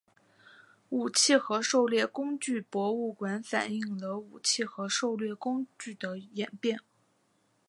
武器和狩猎工具博物馆反映了武器和狩猎工具的演变。